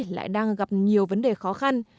lại đang gặp nhiều vấn đề khó khăn